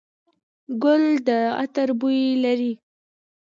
ګل د عطر بوی لري.